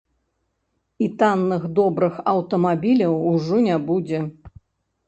І танных добрых аўтамабіляў ужо не будзе.